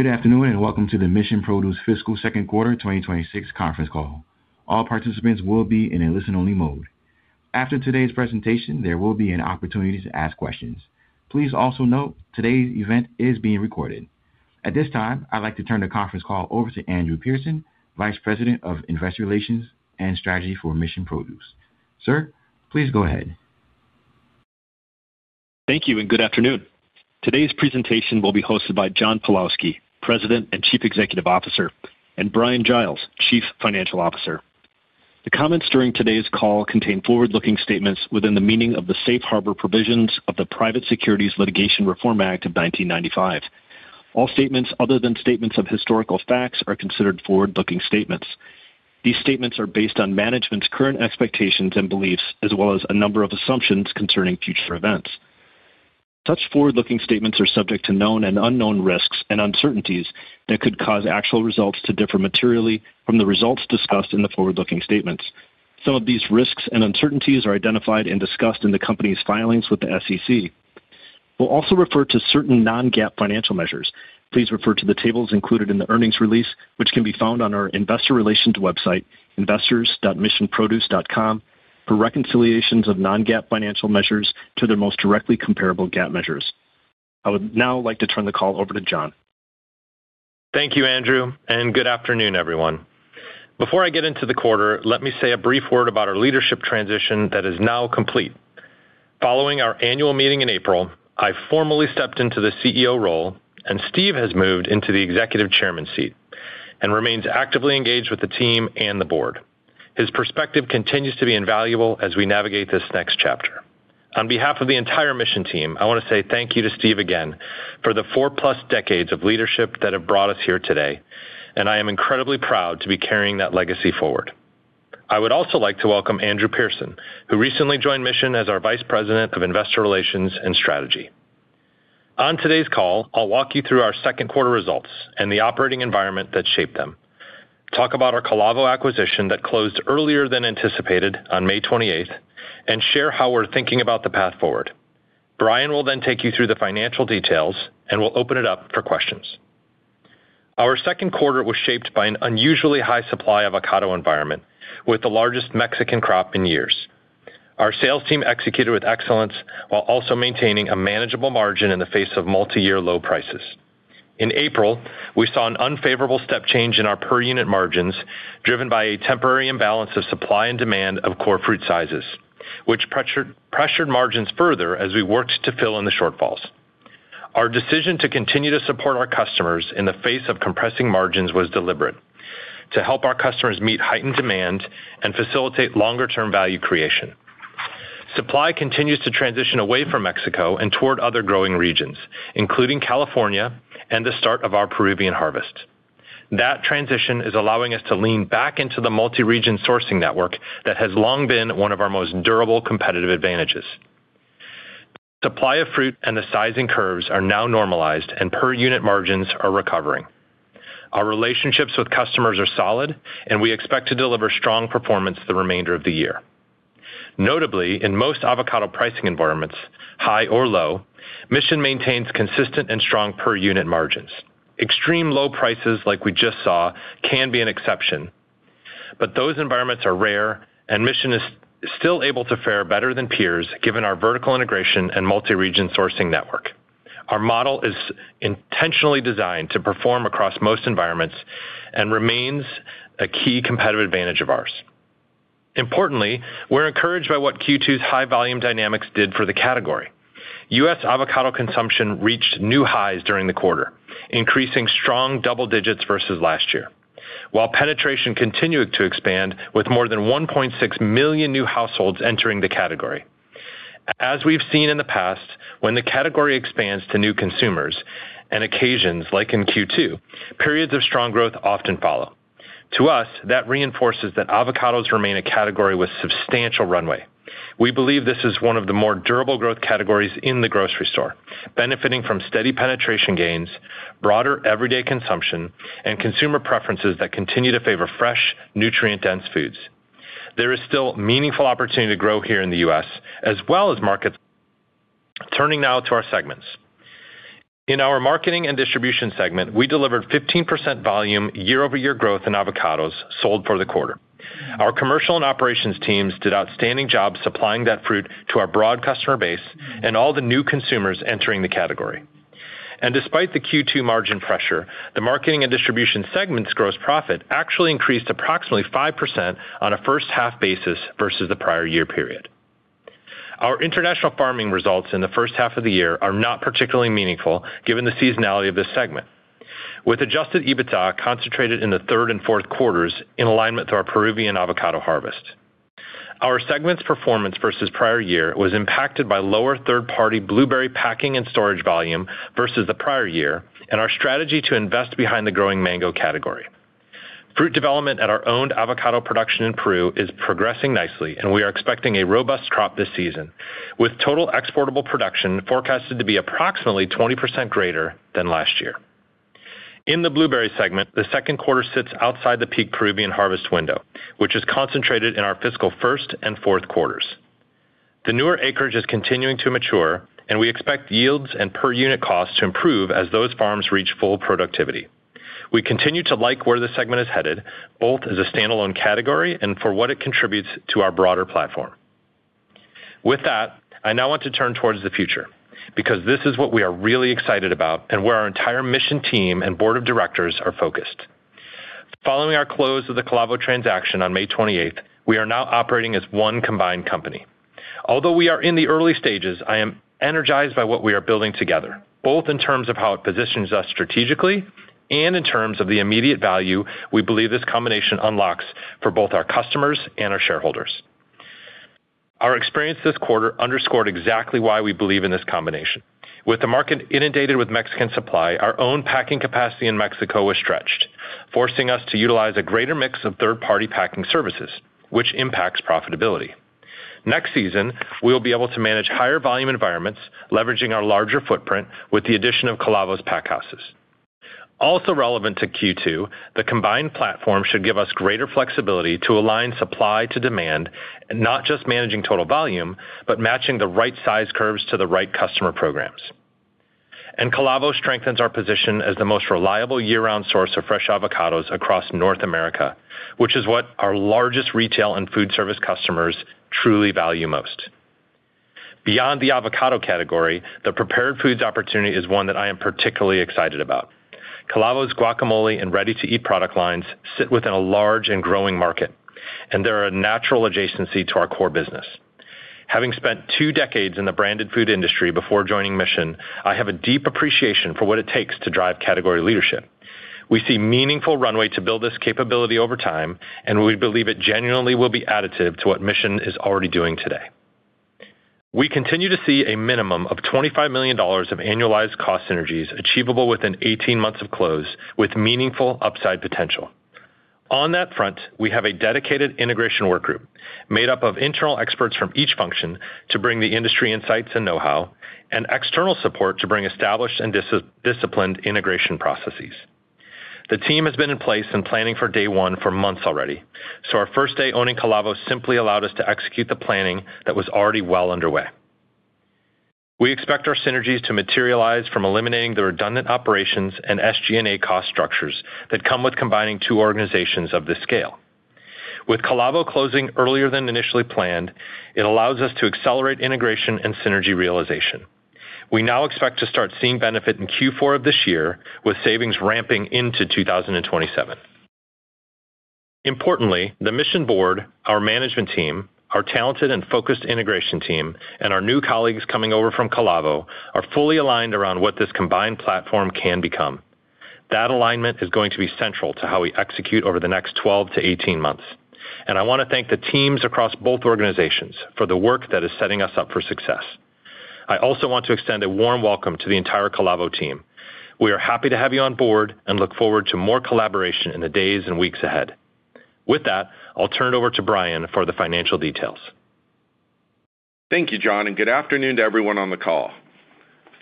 Good afternoon, welcome to the Mission Produce fiscal second quarter 2026 conference call. All participants will be in a listen-only mode. After today's presentation, there will be an opportunity to ask questions. Please also note today's event is being recorded. At this time, I'd like to turn the conference call over to Andrew Pearson, Vice President of Investor Relations and Strategy for Mission Produce. Sir, please go ahead. Thank you, good afternoon. Today's presentation will be hosted by John Pawlowski, President and Chief Executive Officer, and Bryan Giles, Chief Financial Officer. The comments during today's call contain forward-looking statements within the meaning of the Private Securities Litigation Reform Act of 1995. All statements other than statements of historical facts are considered forward-looking statements. These statements are based on management's current expectations and beliefs as well as a number of assumptions concerning future events. Such forward-looking statements are subject to known and unknown risks and uncertainties that could cause actual results to differ materially from the results discussed in the forward-looking statements. Some of these risks and uncertainties are identified and discussed in the company's filings with the SEC. We'll also refer to certain non-GAAP financial measures. Please refer to the tables included in the earnings release, which can be found on our investor relations website, investors.missionproduce.com, for reconciliations of non-GAAP financial measures to their most directly comparable GAAP measures. I would now like to turn the call over to John. Thank you, Andrew, good afternoon, everyone. Before I get into the quarter, let me say a brief word about our leadership transition that is now complete. Following our annual meeting in April, I formally stepped into the CEO role and Steve has moved into the executive chairman seat and remains actively engaged with the team and the board. His perspective continues to be invaluable as we navigate this next chapter. On behalf of the entire Mission team, I want to say thank you to Steve again for the four-plus decades of leadership that have brought us here today. I am incredibly proud to be carrying that legacy forward. I would also like to welcome Andrew Pearson, who recently joined Mission as our Vice President of Investor Relations and Strategy. On today's call, I'll walk you through our second quarter results and the operating environment that shaped them, talk about our Calavo acquisition that closed earlier than anticipated on May 28th, and share how we're thinking about the path forward. Bryan will take you through the financial details, and we'll open it up for questions. Our second quarter was shaped by an unusually high supply avocado environment with the largest Mexican crop in years. Our sales team executed with excellence while also maintaining a manageable margin in the face of multi-year low prices. In April, we saw an unfavorable step change in our per unit margins, driven by a temporary imbalance of supply and demand of core fruit sizes, which pressured margins further as we worked to fill in the shortfalls. Our decision to continue to support our customers in the face of compressing margins was deliberate to help our customers meet heightened demand and facilitate longer term value creation. Supply continues to transition away from Mexico and toward other growing regions, including California and the start of our Peruvian harvest. That transition is allowing us to lean back into the multi-region sourcing network that has long been one of our most durable competitive advantages. Supply of fruit and the sizing curves are now normalized and per unit margins are recovering. Our relationships with customers are solid, and we expect to deliver strong performance the remainder of the year. Notably, in most avocado pricing environments, high or low, Mission maintains consistent and strong per unit margins. Extreme low prices like we just saw can be an exception. Those environments are rare and Mission is still able to fare better than peers given our vertical integration and multi-region sourcing network. Our model is intentionally designed to perform across most environments and remains a key competitive advantage of ours. Importantly, we're encouraged by what Q2's high volume dynamics did for the category. U.S. avocado consumption reached new highs during the quarter, increasing strong double digits versus last year. While penetration continued to expand with more than 1.6 million new households entering the category. As we've seen in the past, when the category expands to new consumers and occasions like in Q2, periods of strong growth often follow. To us, that reinforces that avocados remain a category with substantial runway. We believe this is one of the more durable growth categories in the grocery store, benefiting from steady penetration gains, broader everyday consumption, and consumer preferences that continue to favor fresh, nutrient-dense foods. There is still meaningful opportunity to grow here in the U.S. as well as markets. Turning now to our segments. In our marketing and distribution segment, we delivered 15% volume year-over-year growth in avocados sold for the quarter. Our commercial and operations teams did outstanding job supplying that fruit to our broad customer base and all the new consumers entering the category. Despite the Q2 margin pressure, the marketing and distribution segment's gross profit actually increased approximately 5% on a first half basis versus the prior year period. Our international farming results in the first half of the year are not particularly meaningful given the seasonality of this segment. With adjusted EBITDA concentrated in the third and fourth quarters in alignment with our Peruvian avocado harvest. Our segment's performance versus prior year was impacted by lower third-party blueberry packing and storage volume versus the prior year and our strategy to invest behind the growing mango category. Fruit development at our owned avocado production in Peru is progressing nicely, and we are expecting a robust crop this season, with total exportable production forecasted to be approximately 20% greater than last year. In the blueberry segment, the second quarter sits outside the peak Peruvian harvest window, which is concentrated in our fiscal first and fourth quarters. The newer acreage is continuing to mature, and we expect yields and per unit costs to improve as those farms reach full productivity. We continue to like where the segment is headed, both as a standalone category and for what it contributes to our broader platform. With that, I now want to turn towards the future, because this is what we are really excited about and where our entire Mission team and board of directors are focused. Following our close of the Calavo transaction on May 28th, we are now operating as one combined company. Although we are in the early stages, I am energized by what we are building together, both in terms of how it positions us strategically and in terms of the immediate value we believe this combination unlocks for both our customers and our shareholders. Our experience this quarter underscored exactly why we believe in this combination. With the market inundated with Mexican supply, our own packing capacity in Mexico was stretched, forcing us to utilize a greater mix of third-party packing services, which impacts profitability. Next season, we will be able to manage higher volume environments, leveraging our larger footprint with the addition of Calavo's pack houses. Also relevant to Q2, the combined platform should give us greater flexibility to align supply to demand, not just managing total volume, but matching the right size curves to the right customer programs. Calavo strengthens our position as the most reliable year-round source of fresh avocados across North America, which is what our largest retail and foodservice customers truly value most. Beyond the avocado category, the prepared foods opportunity is one that I am particularly excited about. Calavo's guacamole and ready-to-eat product lines sit within a large and growing market, and they're a natural adjacency to our core business. Having spent two decades in the branded food industry before joining Mission, I have a deep appreciation for what it takes to drive category leadership. We see meaningful runway to build this capability over time, and we believe it genuinely will be additive to what Mission is already doing today. We continue to see a minimum of $25 million of annualized cost synergies achievable within 18 months of close, with meaningful upside potential. On that front, we have a dedicated integration work group made up of internal experts from each function to bring the industry insights and know-how, and external support to bring established and disciplined integration processes. The team has been in place and planning for day one for months already, so our first day owning Calavo simply allowed us to execute the planning that was already well underway. We expect our synergies to materialize from eliminating the redundant operations and SG&A cost structures that come with combining two organizations of this scale. With Calavo closing earlier than initially planned, it allows us to accelerate integration and synergy realization. We now expect to start seeing benefit in Q4 of this year, with savings ramping into 2027. Importantly, the Mission board, our management team, our talented and focused integration team, and our new colleagues coming over from Calavo are fully aligned around what this combined platform can become. That alignment is going to be central to how we execute over the next 12-18 months. I want to thank the teams across both organizations for the work that is setting us up for success. I also want to extend a warm welcome to the entire Calavo team. We are happy to have you on board and look forward to more collaboration in the days and weeks ahead. With that, I'll turn it over to Bryan for the financial details. Thank you, John. Good afternoon to everyone on the call.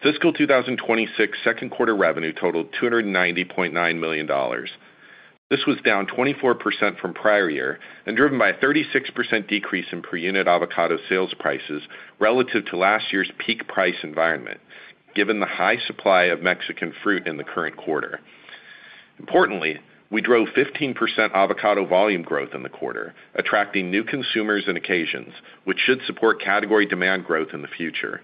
Fiscal 2026 second quarter revenue totaled $290.9 million. This was down 24% from prior year and driven by a 36% decrease in per unit avocado sales prices relative to last year's peak price environment, given the high supply of Mexican fruit in the current quarter. Importantly, we drove 15% avocado volume growth in the quarter, attracting new consumers and occasions, which should support category demand growth in the future.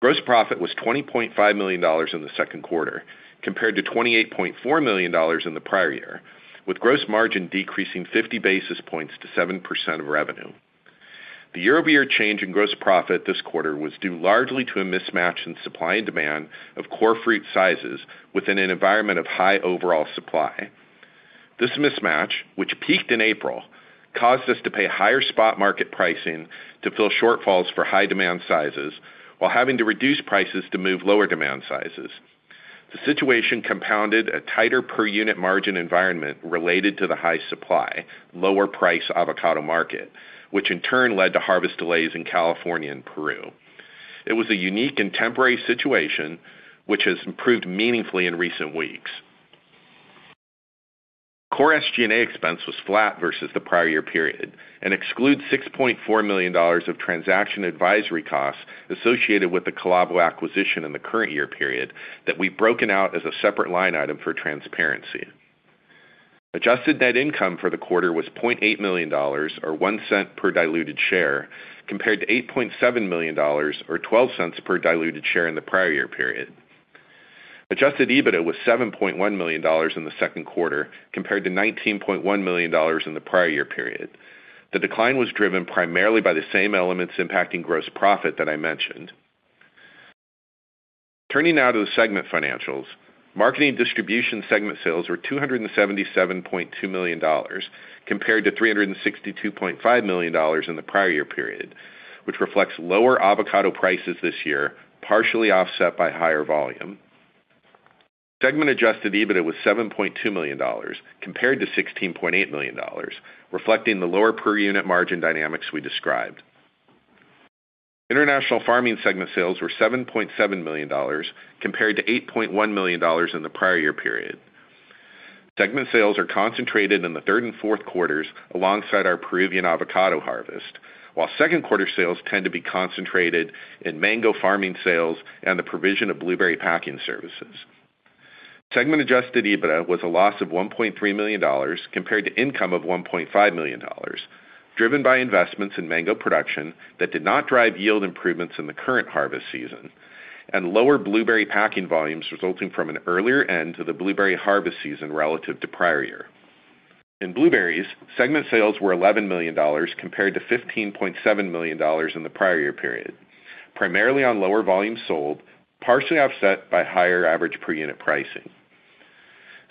Gross profit was $20.5 million in the second quarter, compared to $28.4 million in the prior year, with gross margin decreasing 50 basis points to 7% of revenue. The year-over-year change in gross profit this quarter was due largely to a mismatch in supply and demand of core fruit sizes within an environment of high overall supply. This mismatch, which peaked in April, caused us to pay higher spot market pricing to fill shortfalls for high demand sizes while having to reduce prices to move lower demand sizes. The situation compounded a tighter per unit margin environment related to the high supply, lower price avocado market, which in turn led to harvest delays in California and Peru. It was a unique and temporary situation, which has improved meaningfully in recent weeks. Core SG&A expense was flat versus the prior year period and excludes $6.4 million of transaction advisory costs associated with the Calavo acquisition in the current year period that we've broken out as a separate line item for transparency. Adjusted net income for the quarter was $0.8 million, or $0.01 per diluted share, compared to $8.7 million, or $0.12 per diluted share in the prior year period. Adjusted EBITDA was $7.1 million in the second quarter compared to $19.1 million in the prior year period. The decline was driven primarily by the same elements impacting gross profit that I mentioned. Turning now to the segment financials, marketing distribution segment sales were $277.2 million compared to $362.5 million in the prior year period, which reflects lower avocado prices this year, partially offset by higher volume. Segment adjusted EBITDA was $7.2 million, compared to $16.8 million, reflecting the lower per unit margin dynamics we described. International farming segment sales were $7.7 million, compared to $8.1 million in the prior year period. Segment sales are concentrated in the third and fourth quarters alongside our Peruvian avocado harvest. While second-quarter sales tend to be concentrated in mango farming sales and the provision of blueberry packing services. Segment adjusted EBITDA was a loss of $1.3 million compared to income of $1.5 million, driven by investments in mango production that did not drive yield improvements in the current harvest season and lower blueberry packing volumes resulting from an earlier end to the blueberry harvest season relative to prior year. In blueberries, segment sales were $11 million compared to $15.7 million in the prior year period, primarily on lower volumes sold, partially offset by higher average per unit pricing.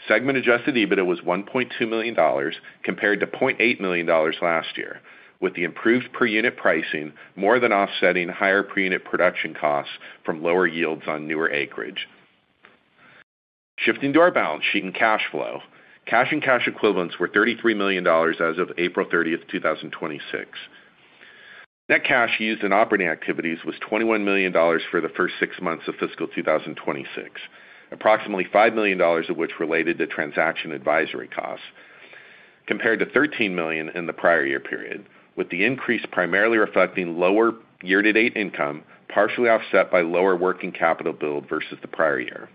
Segment adjusted EBITDA was $1.2 million compared to $0.8 million last year, with the improved per unit pricing more than offsetting higher per unit production costs from lower yields on newer acreage. Shifting to our balance sheet and cash flow. Cash and cash equivalents were $33 million as of April 30th, 2026. Net cash used in operating activities was $21 million for the first six months of fiscal 2026, approximately $5 million of which related to transaction advisory costs compared to $13 million in the prior year period, with the increase primarily reflecting lower year-to-date income, partially offset by lower working capital build versus the prior year.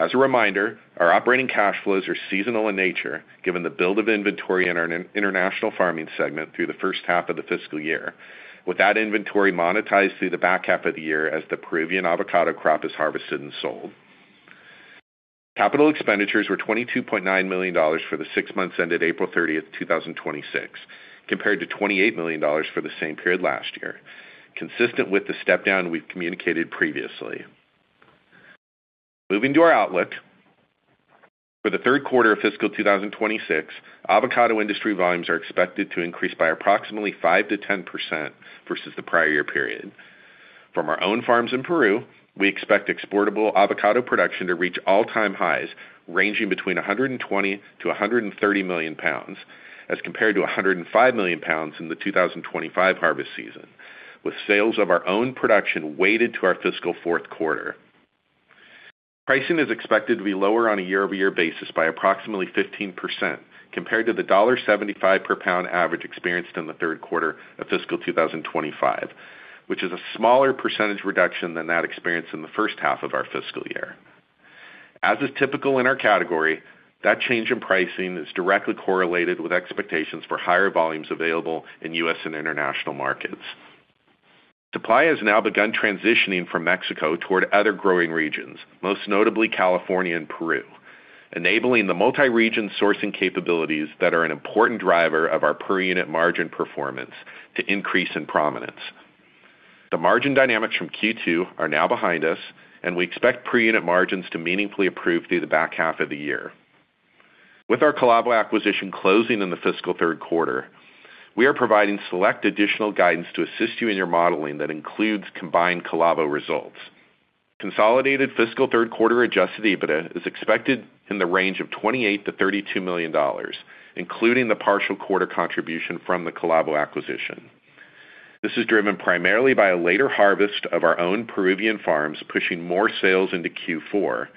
As a reminder, our operating cash flows are seasonal in nature given the build of inventory in our international farming segment through the first half of the fiscal year, with that inventory monetized through the back half of the year as the Peruvian avocado crop is harvested and sold. Capital expenditures were $22.9 million for the six months ended April 30th, 2026, compared to $28 million for the same period last year. Consistent with the step down we've communicated previously. Moving to our outlook. For the third quarter of fiscal 2026, avocado industry volumes are expected to increase by approximately 5%-10% versus the prior year period. From our own farms in Peru, we expect exportable avocado production to reach all-time highs, ranging between 120-130 million pounds as compared to 105 million pounds in the 2025 harvest season, with sales of our own production weighted to our fiscal fourth quarter. Pricing is expected to be lower on a year-over-year basis by approximately 15% compared to the $1.75 per pound average experienced in the third quarter of fiscal 2025, which is a smaller percentage reduction than that experienced in the first half of our fiscal year. As is typical in our category, that change in pricing is directly correlated with expectations for higher volumes available in U.S. and international markets. Supply has now begun transitioning from Mexico toward other growing regions, most notably California and Peru, enabling the multi-region sourcing capabilities that are an important driver of our per unit margin performance to increase in prominence. The margin dynamics from Q2 are now behind us, and we expect per unit margins to meaningfully improve through the back half of the year. With our Calavo acquisition closing in the fiscal third quarter, we are providing select additional guidance to assist you in your modeling that includes combined Calavo results. Consolidated fiscal third quarter adjusted EBITDA is expected in the range of $28-32 million, including the partial quarter contribution from the Calavo acquisition. This is driven primarily by a later harvest of our own Peruvian farms, pushing more sales into Q4,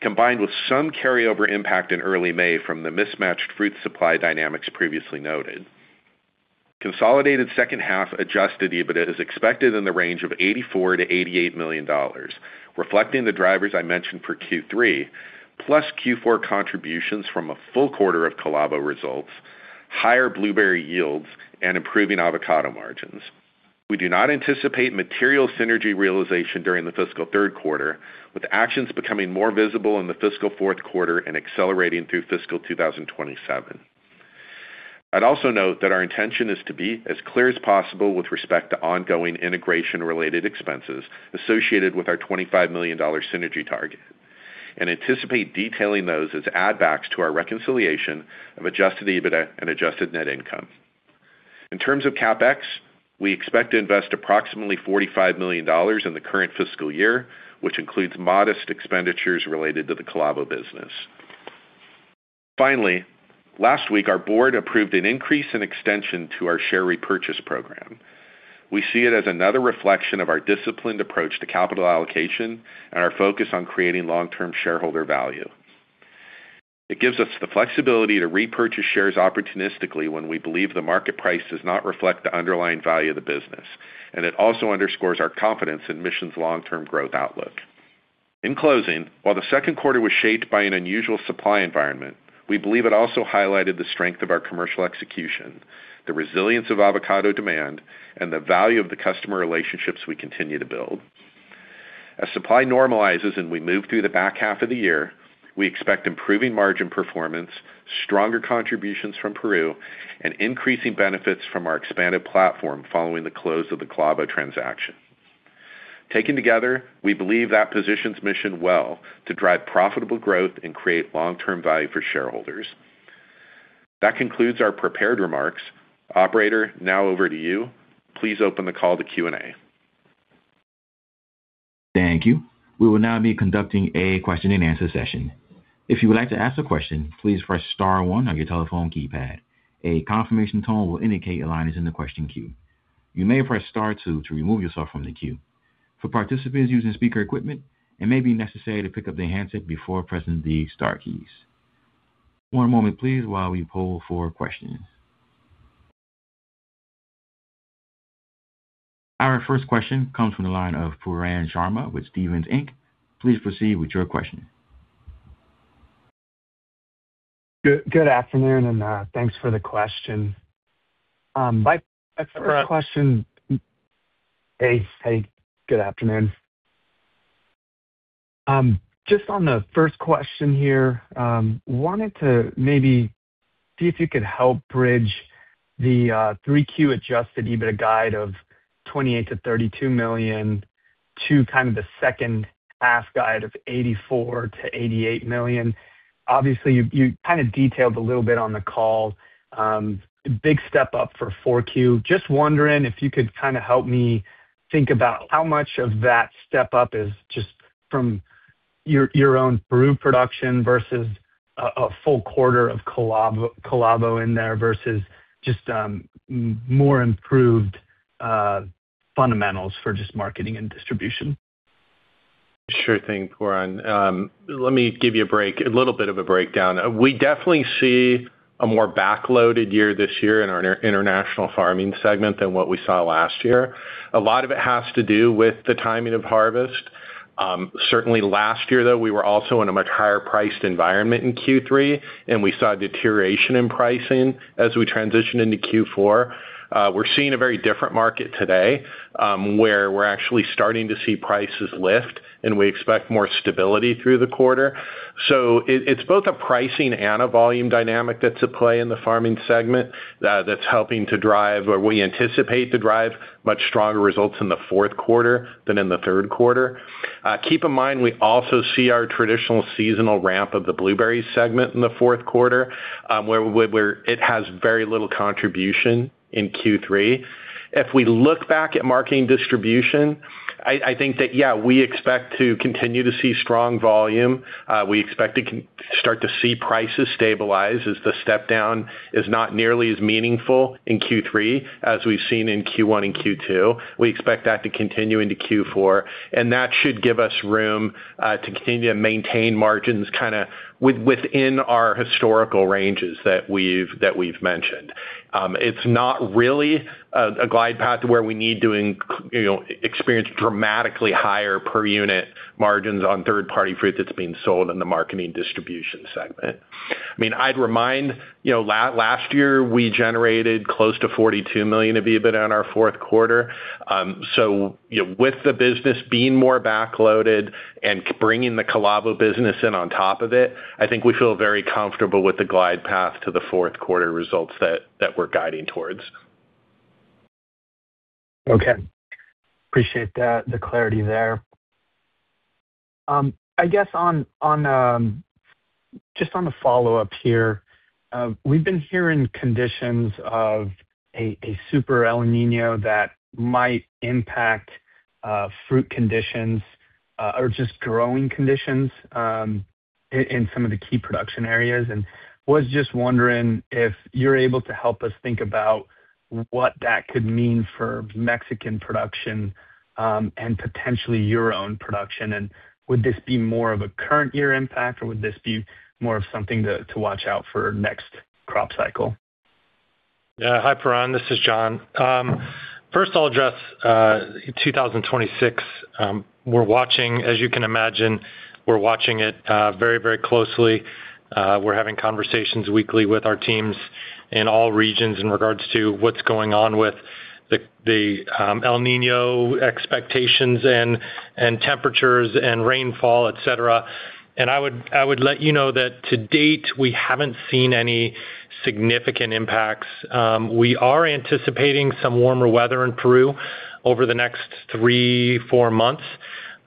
combined with some carryover impact in early May from the mismatched fruit supply dynamics previously noted. Consolidated second half adjusted EBITDA is expected in the range of $84-88 million, reflecting the drivers I mentioned for Q3, plus Q4 contributions from a full quarter of Calavo results, higher blueberry yields, and improving avocado margins. We do not anticipate material synergy realization during the fiscal third quarter, with actions becoming more visible in the fiscal fourth quarter and accelerating through fiscal 2027. I'd also note that our intention is to be as clear as possible with respect to ongoing integration-related expenses associated with our $25 million synergy target and anticipate detailing those as add backs to our reconciliation of adjusted EBITDA and adjusted net income. In terms of CapEx, we expect to invest approximately $45 million in the current fiscal year, which includes modest expenditures related to the Calavo business. Last week our board approved an increase and extension to our share repurchase program. We see it as another reflection of our disciplined approach to capital allocation and our focus on creating long-term shareholder value. It gives us the flexibility to repurchase shares opportunistically when we believe the market price does not reflect the underlying value of the business, and it also underscores our confidence in Mission's long-term growth outlook. While the second quarter was shaped by an unusual supply environment, we believe it also highlighted the strength of our commercial execution, the resilience of avocado demand, and the value of the customer relationships we continue to build. Supply normalizes and we move through the back half of the year, we expect improving margin performance, stronger contributions from Peru, and increasing benefits from our expanded platform following the close of the Calavo transaction. We believe that positions Mission well to drive profitable growth and create long-term value for shareholders. That concludes our prepared remarks. Operator, now over to you. Please open the call to Q&A. Thank you. We will now be conducting a question-and-answer session. If you would like to ask a question, please press star one on your telephone keypad. A confirmation tone will indicate your line is in the question queue. You may press star two to remove yourself from the queue. For participants using speaker equipment, it may be necessary to pick up their handset before pressing the star keys. One moment please, while we poll for questions. Our first question comes from the line of Pooran Sharma with Stephens Inc. Please proceed with your question. Good afternoon, thanks for the question. Good afternoon. Just on the first question here, wanted to maybe see if you could help bridge the 3Q adjusted EBIT guide of $28-32 million to kind of the second half guide of $84-88 million. Obviously, you kind of detailed a little bit on the call. Big step up for 4Q. Just wondering if you could kind of help me think about how much of that step up is just from your own Peru production versus a full-quarter of Calavo in there versus just more improved fundamentals for just marketing and distribution. Sure thing, Pooran. Let me give you a little bit of a breakdown. We definitely see a more backloaded year this year in our international farming segment than what we saw last year. A lot of it has to do with the timing of harvest. Certainly last year, though, we were also in a much higher priced environment in Q3, and we saw deterioration in pricing as we transitioned into Q4. We're seeing a very different market today, where we're actually starting to see prices lift and we expect more stability through the quarter. It's both a pricing and a volume dynamic that's at play in the farming segment that's helping to drive, or we anticipate to drive much stronger results in the fourth quarter than in the third quarter. Keep in mind, we also see our traditional seasonal ramp of the blueberry segment in the fourth quarter where it has very little contribution in Q3. If we look back at marketing distribution, I think that, yeah, we expect to continue to see strong volume. We expect to start to see prices stabilize as the step down is not nearly as meaningful in Q3 as we've seen in Q1 and Q2. We expect that to continue into Q4, and that should give us room to continue to maintain margins kind of within our historical ranges that we've mentioned. It's not really a glide path where we need to experience dramatically higher per unit margins on third-party fruit that's being sold in the marketing distribution segment. I'd remind last year we generated close to $42 million of EBIT on our fourth quarter. With the business being more backloaded and bringing the Calavo business in on top of it, I think we feel very comfortable with the glide path to the fourth quarter results that we're guiding towards. Okay. Appreciate the clarity there. I guess just on the follow-up here, we've been hearing conditions of a super El Niño that might impact fruit conditions or just growing conditions in some of the key production areas. Was just wondering if you're able to help us think about what that could mean for Mexican production and potentially your own production. Would this be more of a current year impact or would this be more of something to watch out for next crop cycle? Yeah. Hi, Pooran. This is John. First I'll address 2026. As you can imagine, we're watching it very closely. We're having conversations weekly with our teams in all regions in regards to what's going on with the El Niño expectations and temperatures and rainfall, et cetera. I would let you know that to date we haven't seen any significant impacts. We are anticipating some warmer weather in Peru over the next three, four months.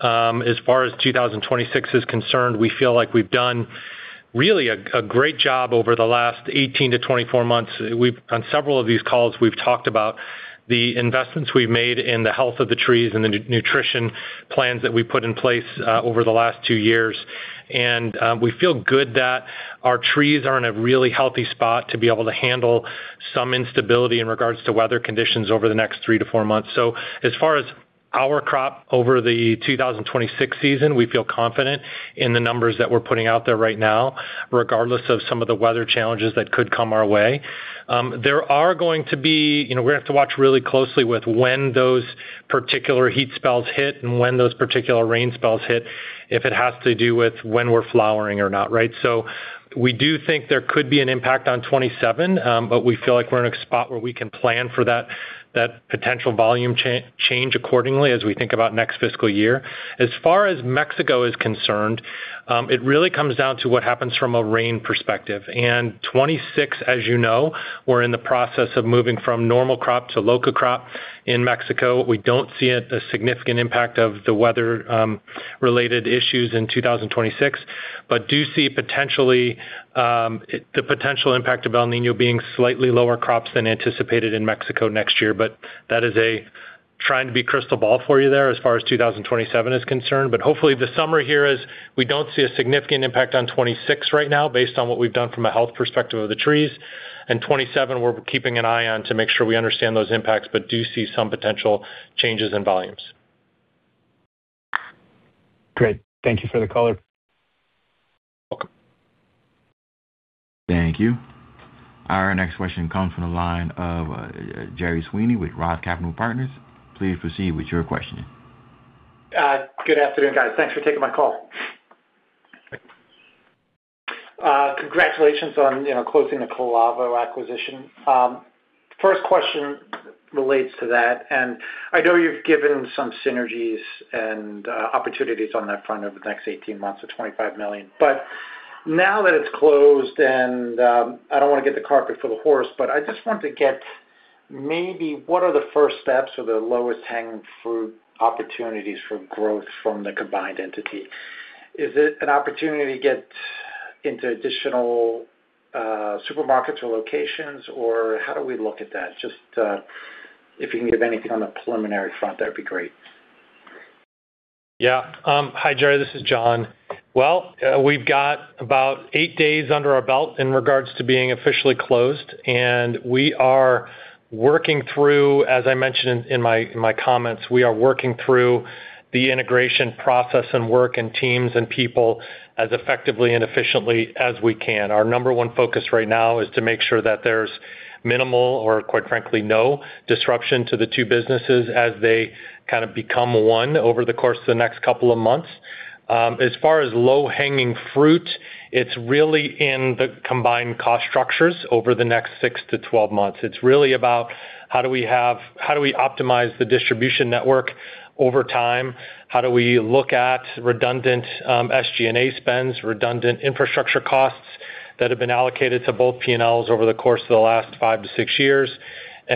As far as 2026 is concerned, we feel like we've done really a great job over the last 18-24 months. On several of these calls we've talked about the investments we've made in the health of the trees and the nutrition plans that we've put in place over the last two years. We feel good that our trees are in a really healthy spot to be able to handle some instability in regards to weather conditions over the next three to four months. As far as our crop over the 2026 season, we feel confident in the numbers that we're putting out there right now, regardless of some of the weather challenges that could come our way. We're going to have to watch really closely with when those particular heat spells hit and when those particular rain spells hit, if it has to do with when we're flowering or not, right? We do think there could be an impact on 2027, but we feel like we're in a spot where we can plan for that potential volume change accordingly as we think about next fiscal year. As far as Mexico is concerned, it really comes down to what happens from a rain perspective. 2026, as you know, we're in the process of moving from normal crop to local crop in Mexico. We don't see a significant impact of the weather-related issues in 2026, but do see potentially the potential impact of El Niño being slightly lower crops than anticipated in Mexico next year. That is a trying to be crystal ball for you there as far as 2027 is concerned. Hopefully the summary here is we don't see a significant impact on 2026 right now based on what we've done from a health perspective of the trees 2027, we're keeping an eye on to make sure we understand those impacts, but do see some potential changes in volumes. Great. Thank you for the color. Welcome. Thank you. Our next question comes from the line of Gerry Sweeney with ROTH Capital Partners. Please proceed with your questioning. Good afternoon, guys. Thanks for taking my call. Congratulations on closing the Calavo acquisition. First question relates to that. I know you've given some synergies and opportunities on that front over the next 18 months of $25 million. Now that it's closed, I don't want to get the cart before the horse, I just want to get maybe what are the first steps or the lowest hanging fruit opportunities for growth from the combined entity? Is it an opportunity to get into additional supermarkets or locations, or how do we look at that? Just if you can give anything on the preliminary front, that'd be great. Yeah. Hi, Gerry. This is John. We've got about eight days under our belt in regards to being officially closed. We are working through, as I mentioned in my comments, we are working through the integration process and work and teams and people as effectively and efficiently as we can. Our number one focus right now is to make sure that there's minimal or, quite frankly, no disruption to the two businesses as they kind of become one over the course of the next couple of months. As far as low-hanging fruit, it's really in the combined cost structures over the next six to 12 months. It's really about how do we optimize the distribution network over time? How do we look at redundant SG&A spends, redundant infrastructure costs that have been allocated to both P&Ls over the course of the last five to six years,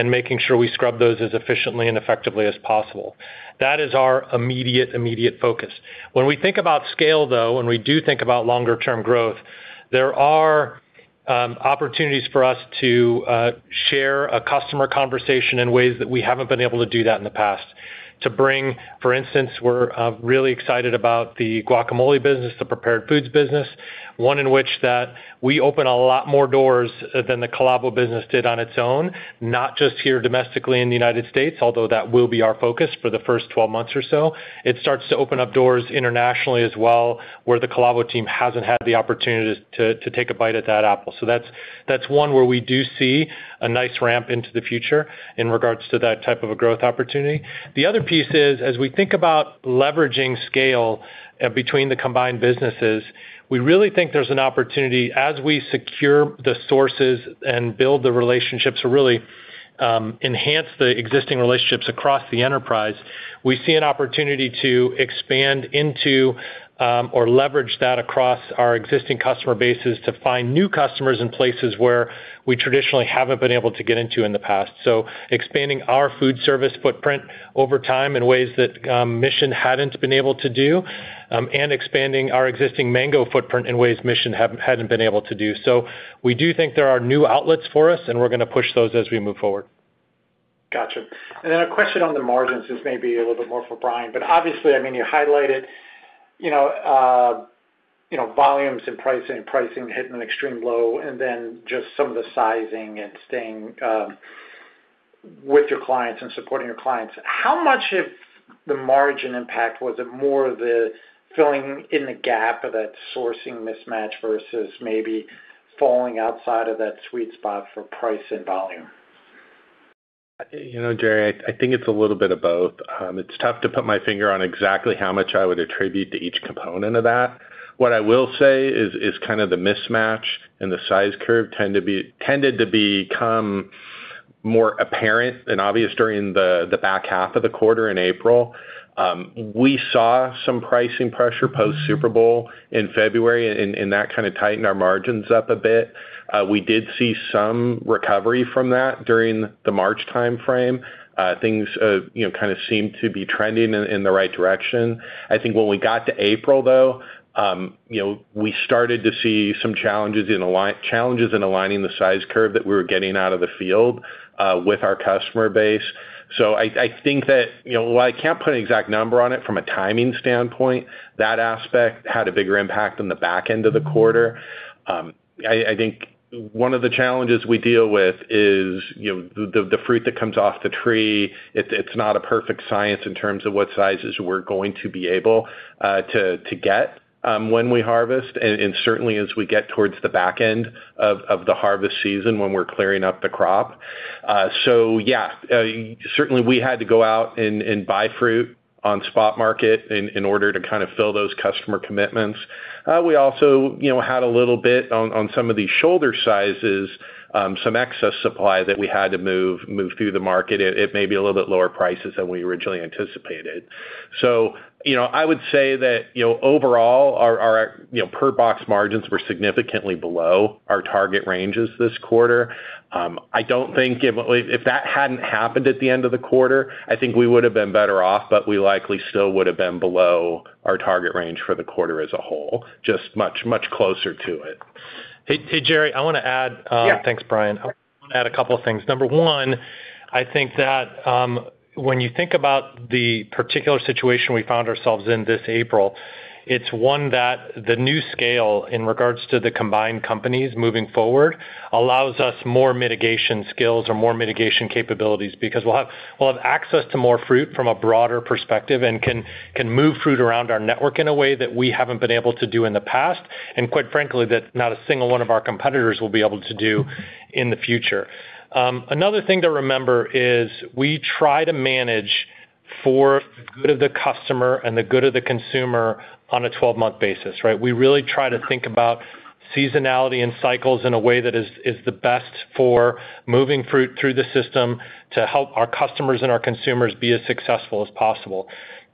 making sure we scrub those as efficiently and effectively as possible. That is our immediate focus. When we think about scale, though, when we do think about longer-term growth, there are opportunities for us to share a customer conversation in ways that we haven't been able to do that in the past. To bring, for instance, we're really excited about the guacamole business, the prepared foods business, one in which that we open a lot more doors than the Calavo business did on its own. Not just here domestically in the U.S., although that will be our focus for the first 12 months or so. It starts to open up doors internationally as well, where the Calavo team hasn't had the opportunity to take a bite at that apple. That's one where we do see a nice ramp into the future in regards to that type of a growth opportunity. The other piece is, as we think about leveraging scale between the combined businesses, we really think there's an opportunity as we secure the sources and build the relationships to really enhance the existing relationships across the enterprise. We see an opportunity to expand into or leverage that across our existing customer bases to find new customers in places where we traditionally haven't been able to get into in the past. Expanding our food service footprint over time in ways that Mission hadn't been able to do, and expanding our existing mango footprint in ways Mission hadn't been able to do. We do think there are new outlets for us, and we are going to push those as we move forward. Got you. A question on the margins. This may be a little bit more for Bryan, but obviously, you highlighted volumes and pricing hitting an extreme low, and then just some of the sizing and staying with your clients and supporting your clients. How much of the margin impact was it more of the filling in the gap of that sourcing mismatch versus maybe falling outside of that sweet spot for price and volume? Gerry, I think it is a little bit of both. It is tough to put my finger on exactly how much I would attribute to each component of that. What I will say is kind of the mismatch and the size curve tended to become more apparent and obvious during the back half of the quarter in April. We saw some pricing pressure post Super Bowl in February, and that kind of tightened our margins up a bit. We did see some recovery from that during the March timeframe. Things kind of seemed to be trending in the right direction. I think when we got to April, though, we started to see some challenges in aligning the size curve that we were getting out of the field with our customer base. I think that while I cannot put an exact number on it from a timing standpoint, that aspect had a bigger impact on the back end of the quarter. I think one of the challenges we deal with is the fruit that comes off the tree. It is not a perfect science in terms of what sizes we are going to be able to get when we harvest, and certainly as we get towards the back end of the harvest season when we are clearing up the crop. Yeah. Certainly, we had to go out and buy fruit on spot market in order to kind of fill those customer commitments. We also had a little bit on some of these shoulder sizes, some excess supply that we had to move through the market at maybe a little bit lower prices than we originally anticipated. I would say that overall, our per box margins were significantly below our target ranges this quarter. If that hadn't happened at the end of the quarter, I think we would have been better off, but we likely still would have been below our target range for the quarter as a whole, just much closer to it. Hey, Gerry, I want to add. Yeah. Thanks, Bryan. I'll add a couple of things. Number one, I think that when you think about the particular situation we found ourselves in this April, it's one that the new scale in regards to the combined companies moving forward allows us more mitigation skills or more mitigation capabilities because we'll have access to more fruit from a broader perspective and can move fruit around our network in a way that we haven't been able to do in the past, and quite frankly, that not a single one of our competitors will be able to do in the future. Another thing to remember is we try to manage for the good of the customer and the good of the consumer on a 12-month basis, right? We really try to think about seasonality and cycles in a way that is the best for moving fruit through the system to help our customers and our consumers be as successful as possible.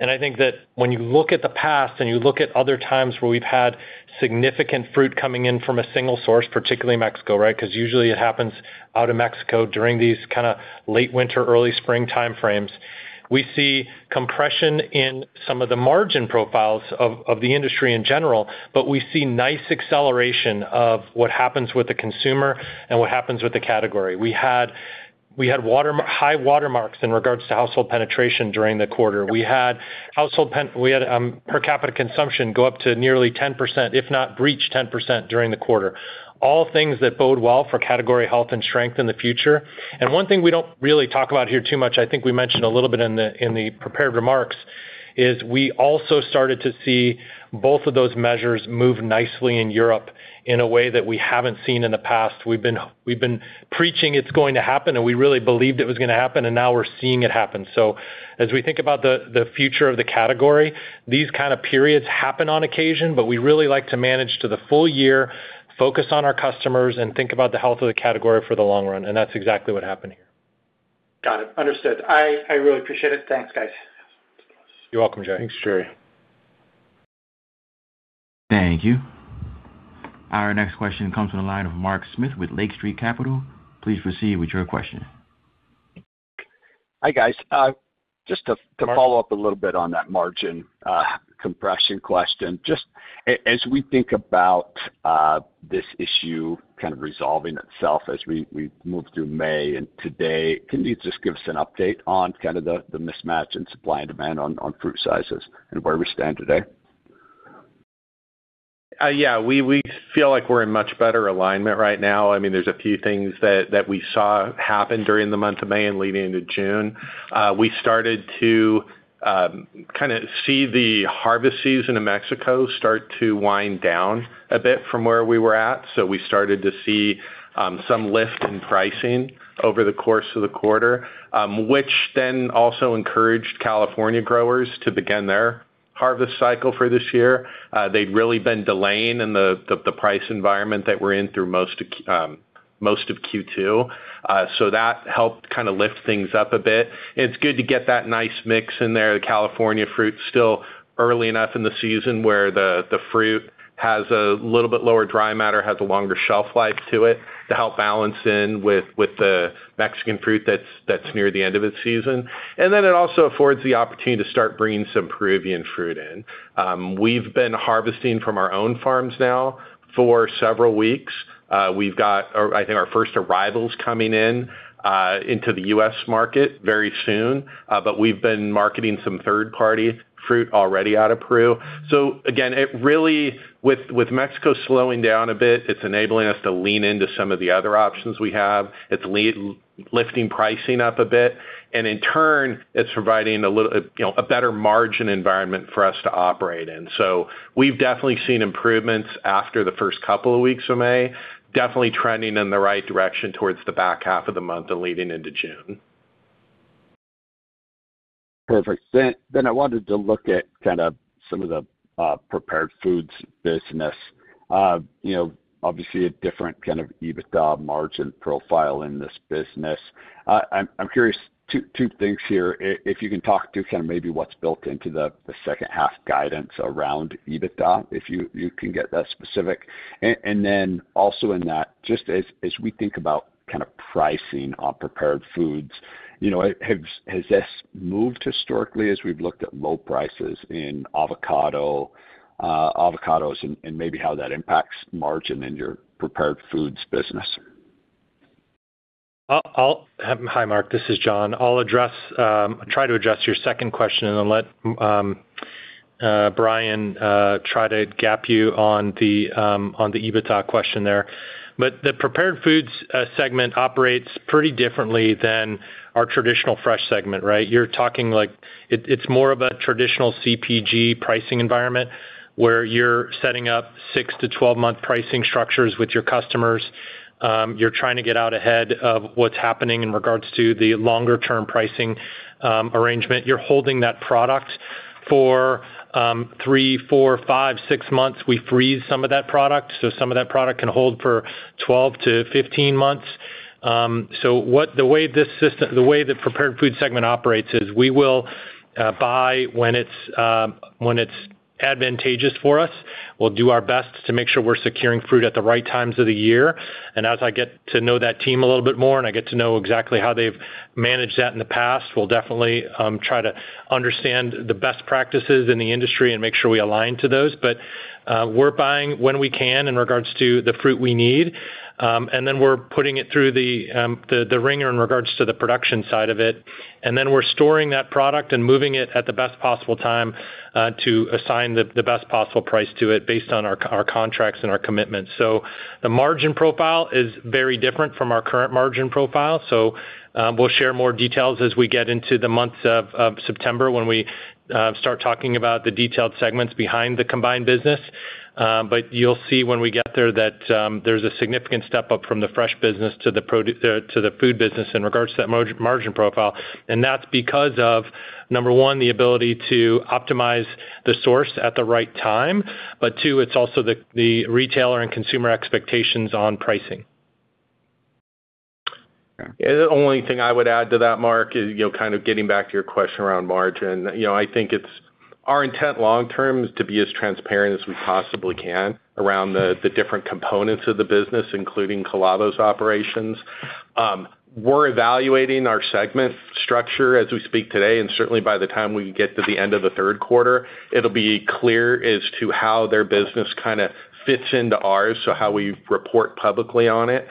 I think that when you look at the past and you look at other times where we've had significant fruit coming in from a single source, particularly Mexico, right? Because usually it happens out of Mexico during these kind of late winter, early spring time frames. We see compression in some of the margin profiles of the industry in general, but we see nice acceleration of what happens with the consumer and what happens with the category. We had high water marks in regards to household penetration during the quarter. We had per capita consumption go up to nearly 10%, if not breach 10%, during the quarter. All things that bode well for category health and strength in the future. One thing we don't really talk about here too much, I think we mentioned a little bit in the prepared remarks, is we also started to see both of those measures move nicely in Europe in a way that we haven't seen in the past. We've been preaching it's going to happen, and we really believed it was going to happen, and now we're seeing it happen. As we think about the future of the category, these kind of periods happen on occasion, but we really like to manage to the full-year, focus on our customers and think about the health of the category for the long run, and that's exactly what happened here. Got it. Understood. I really appreciate it. Thanks, guys. You're welcome, Gerry. Thanks, Gerry. Thank you. Our next question comes from the line of Mark Smith with Lake Street Capital. Please proceed with your question. Hi, guys. To follow up a little bit on that margin compression question. As we think about this issue kind of resolving itself as we move through May and today, can you just give us an update on kind of the mismatch in supply and demand on fruit sizes and where we stand today? Yeah, we feel like we're in much better alignment right now. There's a few things that we saw happen during the month of May and leading into June. We started to kind of see the harvest season in Mexico start to wind down a bit from where we were at. We started to see some lift in pricing over the course of the quarter, which also encouraged California growers to begin their harvest cycle for this year. They'd really been delaying in the price environment that we're in through most of Q2. That helped kind of lift things up a bit. It's good to get that nice mix in there. The California fruit's still early enough in the season where the fruit has a little bit lower dry matter, has a longer shelf life to it to help balance in with the Mexican fruit that's near the end of its season. Then it also affords the opportunity to start bringing some Peruvian fruit in. We've been harvesting from our own farms now for several weeks. We've got our first arrivals coming in into the U.S. market very soon. We've been marketing some third-party fruit already out of Peru. Again, with Mexico slowing down a bit, it's enabling us to lean into some of the other options we have. It's lifting pricing up a bit, and in turn, it's providing a better margin environment for us to operate in. We've definitely seen improvements after the first couple of weeks of May. Definitely trending in the right direction towards the back half of the month and leading into June. Perfect. I wanted to look at some of the prepared foods business. Obviously a different kind of EBITDA margin profile in this business. I'm curious, two things here. If you can talk to maybe what's built into the second half guidance around EBITDA, if you can get that specific. Also in that, just as we think about pricing on prepared foods, has this moved historically as we've looked at low prices in avocados and maybe how that impacts margin in your prepared foods business? Hi, Mark. This is John. I'll try to address your second question and then let Bryan try to gap you on the EBITDA question there. The prepared foods segment operates pretty differently than our traditional fresh segment, right? It's more of a traditional CPG pricing environment where you're setting up six- to 12-month pricing structures with your customers. You're trying to get out ahead of what's happening in regards to the longer-term pricing arrangement. You're holding that product for three, four, five, six months. We freeze some of that product, so some of that product can hold for 12 to 15 months. The way the prepared food segment operates is we will buy when it's advantageous for us. We'll do our best to make sure we're securing fruit at the right times of the year. As I get to know that team a little bit more, and I get to know exactly how they've managed that in the past, we'll definitely try to understand the best practices in the industry and make sure we align to those. We're buying when we can in regards to the fruit we need, and then we're putting it through the wringer in regards to the production side of it, and then we're storing that product and moving it at the best possible time to assign the best possible price to it based on our contracts and our commitments. The margin profile is very different from our current margin profile. We'll share more details as we get into the months of September when we start talking about the detailed segments behind the combined business. You'll see when we get there that there's a significant step up from the fresh business to the food business in regards to that margin profile. That's because of, number one, the ability to optimize the source at the right time. Two, it's also the retailer and consumer expectations on pricing. The only thing I would add to that, Mark, is getting back to your question around margin. I think it's our intent long-term is to be as transparent as we possibly can around the different components of the business, including Calavo's operations. We're evaluating our segment structure as we speak today, and certainly by the time we get to the end of the third quarter, it'll be clear as to how their business fits into ours, so how we report publicly on it.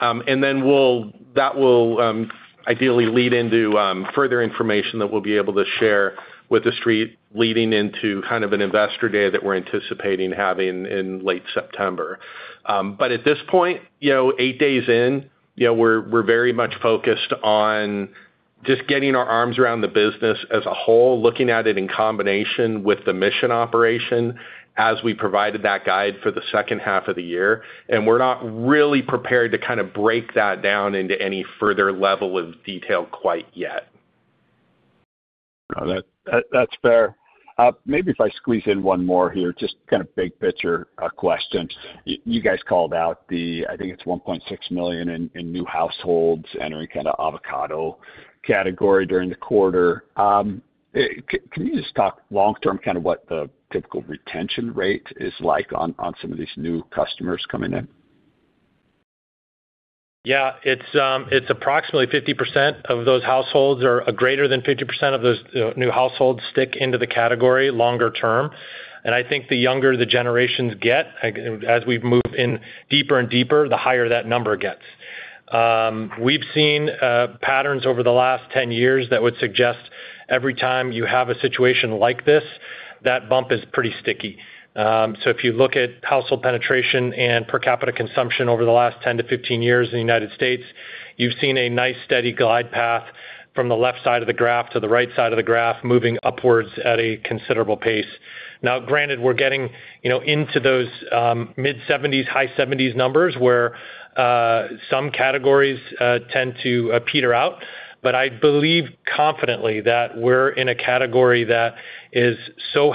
That will ideally lead into further information that we'll be able to share with the street leading into an investor day that we're anticipating having in late September. At this point, eight days in, we're very much focused on just getting our arms around the business as a whole, looking at it in combination with the Mission operation as we provided that guide for the second half of the year. We're not really prepared to break that down into any further level of detail quite yet. That's fair. Maybe if I squeeze in one more here, just big picture question. You guys called out the, I think it's 1.6 million in new households entering avocado category during the quarter. Can you just talk long term what the typical retention rate is like on some of these new customers coming in? Yeah. It's approximately 50% of those households or a greater than 50% of those new households stick into the category longer term. I think the younger the generations get, as we move in deeper and deeper, the higher that number gets. We've seen patterns over the last 10 years that would suggest every time you have a situation like this, that bump is pretty sticky. If you look at household penetration and per capita consumption over the last 10 to 15 years in the U.S., you've seen a nice steady glide path from the left side of the graph to the right side of the graph, moving upwards at a considerable pace. Now, granted, we're getting into those mid-70s, high 70s numbers, where some categories tend to peter out. I believe confidently that we're in a category that is so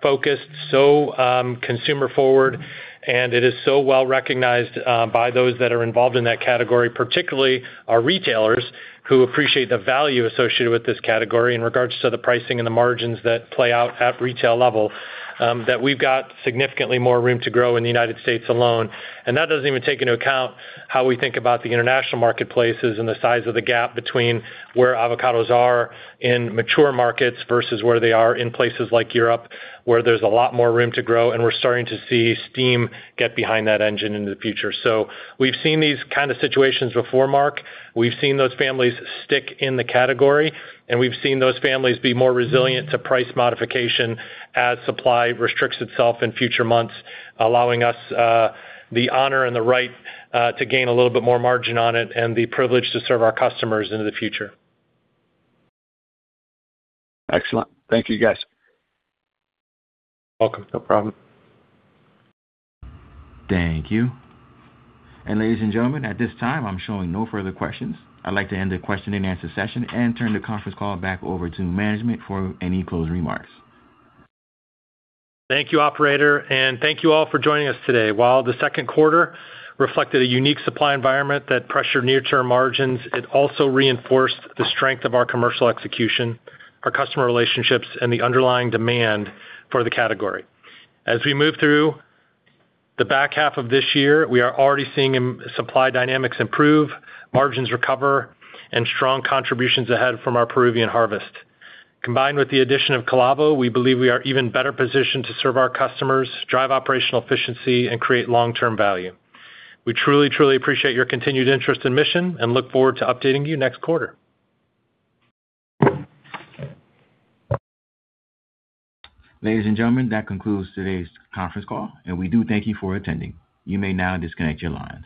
health-focused, so consumer-forward, and it is so well-recognized by those that are involved in that category, particularly our retailers, who appreciate the value associated with this category in regards to the pricing and the margins that play out at retail level, that we've got significantly more room to grow in the U.S. alone. That doesn't even take into account how we think about the international marketplaces and the size of the gap between where avocados are in mature markets versus where they are in places like Europe, where there's a lot more room to grow, and we're starting to see steam get behind that engine in the future. We've seen these kind of situations before, Mark. We've seen those families stick in the category, and we've seen those families be more resilient to price modification as supply restricts itself in future months, allowing us the honor and the right to gain a little bit more margin on it and the privilege to serve our customers into the future. Excellent. Thank you, guys. Welcome. No problem. Ladies and gentlemen, at this time, I'm showing no further questions. I'd like to end the question and-answer-session and turn the conference call back over to management for any closing remarks. Thank you, operator, and thank you all for joining us today. While the second quarter reflected a unique supply environment that pressured near-term margins, it also reinforced the strength of our commercial execution, our customer relationships, and the underlying demand for the category. As we move through the back half of this year, we are already seeing supply dynamics improve, margins recover, and strong contributions ahead from our Peruvian harvest. Combined with the addition of Calavo, we believe we are even better positioned to serve our customers, drive operational efficiency, and create long-term value. We truly appreciate your continued interest in Mission and look forward to updating you next quarter. Ladies and gentlemen, that concludes today's conference call, and we do thank you for attending. You may now disconnect your line.